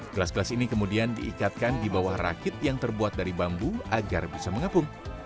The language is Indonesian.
gelas gelas ini kemudian diikatkan di bawah rakit yang terbuat dari bambu agar bisa mengapung